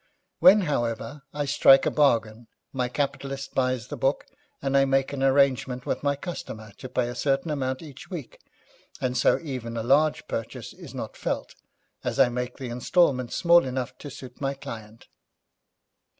When, however, I strike a bargain, my capitalist buys the book, and I make an arrangement with my customer to pay a certain amount each week, and so even a large purchase is not felt, as I make the instalments small enough to suit my client.'